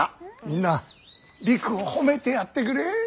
みんなりくを褒めてやってくれ。